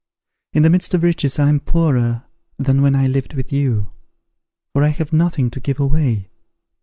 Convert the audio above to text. In the midst of riches I am poorer than when I lived with you; for I have nothing to give away.